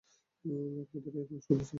লাখপতিরাই এখন শুধু চাষী হতে পারে।